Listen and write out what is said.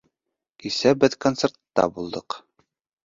Кисә беҙ концертта булдыҡ